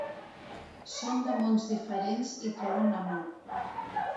Són de mons diferents i troben l'amor.